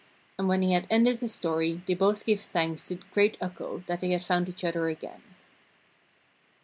And when he had ended his story they both gave thanks to great Ukko that they had found each other again.